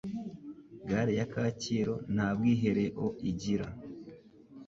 gare ya kacyiru ntabwihereo igira